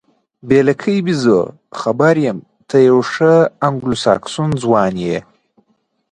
بې لکۍ بیزو، خبر یم، ته یو ښه انګلوساکسون ځوان یې.